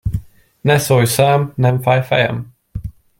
Ne szólj szám, nem fáj fejem!